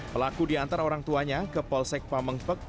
pelaku diantara orang tuanya kepolsek pak mengpek